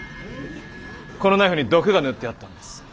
このナイフに毒が塗ってあったんです。